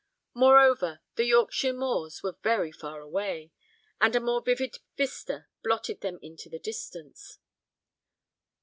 Moreover, the Yorkshire moors were very far away, and a more vivid vista blotted them into the distance.